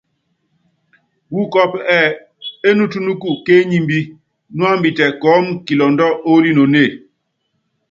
Wú kɔ́ɔ́pú ɛ́ɛ́: Enutúnúkú ké enyimbí, nuámbitɛ kɔɔ́mu kilɔndɔ oolinonée.